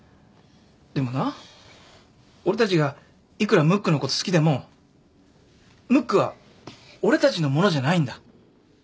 でもな俺たちがいくらムックのこと好きでもムックは俺たちのものじゃないんだ。